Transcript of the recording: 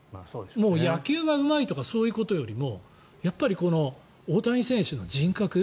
野球がうまいとかそういうことよりもやっぱり大谷選手の人格。